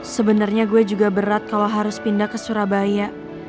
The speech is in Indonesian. sebenarnya gue juga berat kalau harus pindah ke surabaya